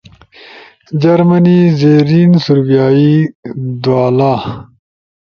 جرمنی، زیرین سوربیائی، دُآلا